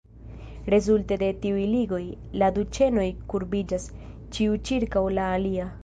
Rezulte de tiuj ligoj, la du ĉenoj kurbiĝas, ĉiu ĉirkaŭ la alia.